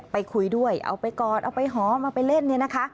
ไปคุยด้วยเอาไปกอดเอาไปหอมเอาไปเล่น